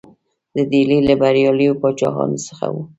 د ډهلي له بریالیو پاچاهانو څخه وو.